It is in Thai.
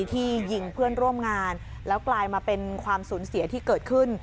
ที่ยิงเพื่อนร่วมงานแล้วกลายมาเป็นความสูญเสียที่เกิดขึ้น